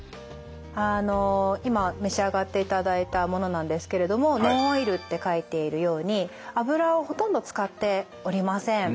あの今召し上がっていただいたものなんですけれどもノンオイルって書いているように油をほとんど使っておりません。